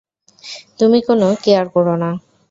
তুমি কোনও কেয়ার করো না?